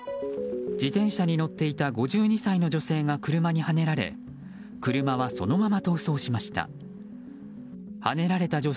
自転車に乗っていた５２歳の女性が車にはねられ車は、そのまま逃走しました。